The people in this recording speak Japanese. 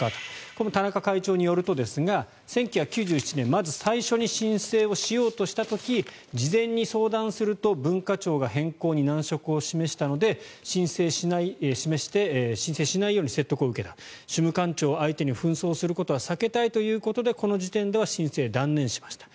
この田中会長によるとですが１９９７年まず最初に申請しようとした時事前に相談すると文化庁が変更に難色を示したので申請しないように説得を受けた主務官庁相手に紛争することは避けたいということでこの時点では申請を断念しました。